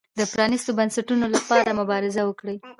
د پرانیستو بنسټونو لپاره مبارزه وکړي.